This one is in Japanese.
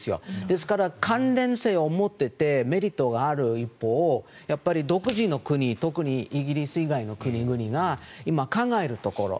ですから、関連性を持っていてメリットがある一方でやっぱり独自の国特にイギリス以外の国々が今、考えるところ。